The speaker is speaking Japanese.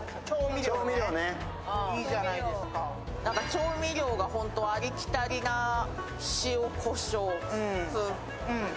調味料がありきたりな塩こしょうしかなくて。